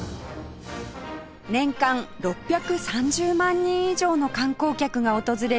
年間６３０万人以上の観光客が訪れる鹿児島